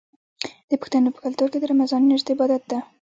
د پښتنو په کلتور کې د رمضان میاشت د عبادت ده.